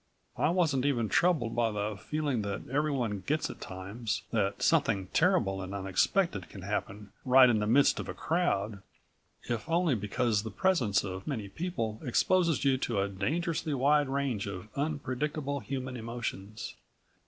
I wasn't even troubled by the feeling that everyone gets at times that something terrible and unexpected can happen right in the midst of a crowd, if only because the presence of many people exposes you to a dangerously wide range of unpredictable human emotions.